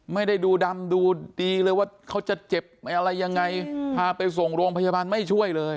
ไม่ได้ดูดำดูดีเลยว่าเขาจะเจ็บอะไรยังไงพาไปส่งโรงพยาบาลไม่ช่วยเลย